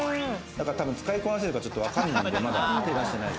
使いこなせるかちょっとわからないんで、手を出してない。